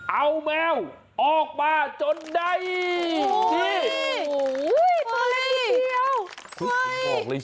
เอาแมวออกมาจนได้ที่โอ้ยตัวนี้เยี่ยว